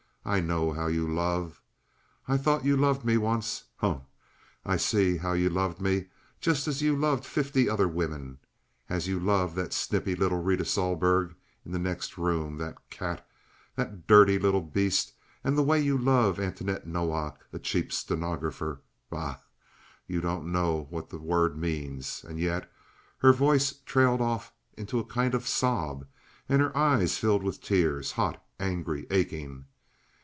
I know how you love. I thought you loved me once. Humph! I see how you loved me—just as you've loved fifty other women, as you love that snippy little Rita Sohlberg in the next room—the cat!—the dirty little beast!—the way you love Antoinette Nowak—a cheap stenographer! Bah! You don't know what the word means." And yet her voice trailed off into a kind of sob and her eyes filled with tears, hot, angry, aching.